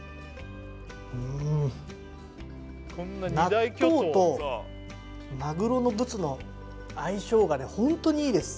納豆とマグロのブツの相性がホントにいいです